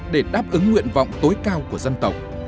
để đáp ứng nguyện vọng tối cao của dân tộc